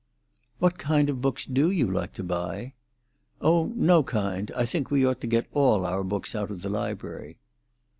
"What kind of books do you like to buy?" "Oh, no kind. I think we ought to get all our books out of the library."